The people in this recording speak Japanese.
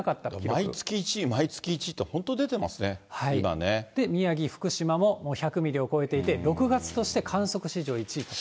毎月１位、毎月１位って、宮城、福島も１００ミリを超えていて、６月として観測史上１位と。